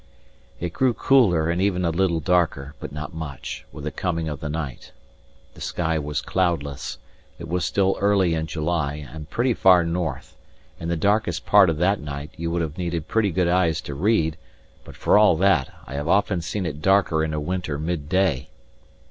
It grew cooler and even a little darker (but not much) with the coming of the night. The sky was cloudless; it was still early in July, and pretty far north; in the darkest part of that night, you would have needed pretty good eyes to read, but for all that, I have often seen it darker in a winter mid day.